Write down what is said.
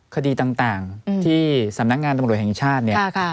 คดีต่างที่สำนักงานตำรวจแห่งชาติเนี่ย